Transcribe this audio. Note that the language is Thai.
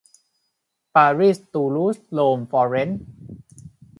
ปารีสตูลูสโรมฟอร์เร้น